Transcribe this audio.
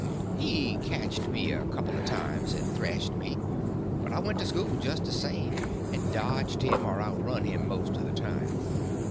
He catched me a couple of times and thrashed me, but I went to school just the same, and dodged him or outrun him most of the time.